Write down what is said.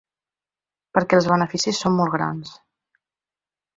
Perquè els beneficis són molt grans.